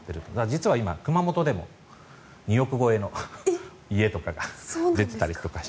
実は今、熊本でも２億超えの家とかが出ていたりとかして。